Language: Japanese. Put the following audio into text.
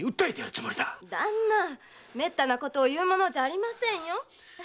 〔旦那めったなことを言うものじゃありません〕